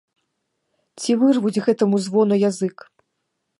Ці вырвуць гэтаму звону язык.